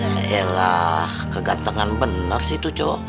yaelah kegantengan bener sih itu cowo